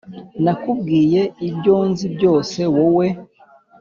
nakubwiye ibyo nzi byose wowe